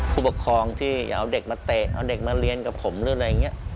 ผู้ปกครองที่เอาเด็กมาเตะเอาเด็กมาเรียนกับผมหรืออะไรอย่างนี้